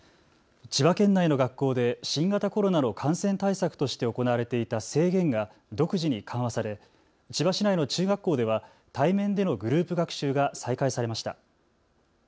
千葉県内の学校で新型コロナの感染対策として行われていた制限が独自に緩和され千葉市内の中学校では対面でのグループ学習が再開されました。